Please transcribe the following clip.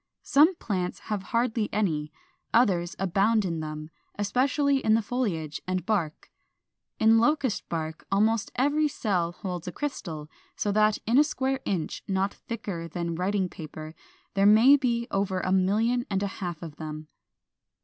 Some plants have hardly any; others abound in them, especially in the foliage and bark. In Locust bark almost every cell holds a crystal; so that in a square inch not thicker than writing paper there may be over a million and a half of them.